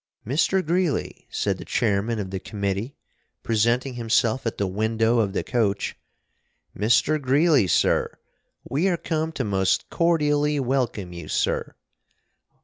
"Mr. Greeley," said the chairman of the committee, presenting himself at the window of the coach, "Mr. Greeley, sir! We are come to most cordially welcome you, sir!